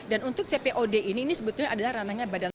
dan untuk cpod ini ini sebetulnya adalah ranahnya badan